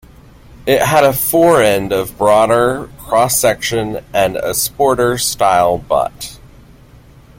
It had a fore-end of broader cross section and a sporter style butt.